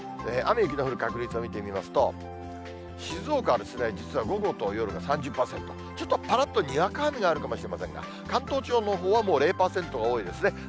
雨、雪の降る確率を見てみますと、静岡は実は午後と夜が３０％、ちょっとぱらっとにわか雨があるかもしれませんが、関東地方のほうはもう０％が多いですね。